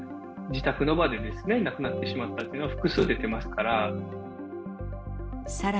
自宅で亡くなってしまったっていうのは、複数出てますから。